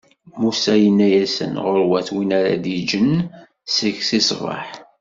Musa yenna-asen: ɣur-wat win ara d-iǧǧen seg-s i ṣṣbeḥ.